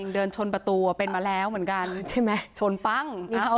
เดินชนประตูเป็นมาแล้วเหมือนกันใช่ไหมชนปั้ง